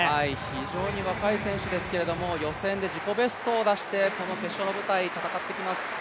非常に若い選手ですけど、予選で自己ベストを出してこの決勝の舞台、戦ってきます。